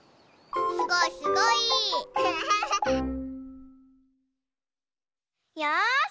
すごいすごい！よし！